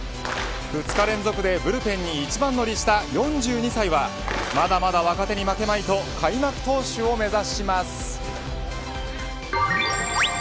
２日連続でブルペンに一番乗りした４２歳はまだまだ若手に負けまいと開幕投手を目指します。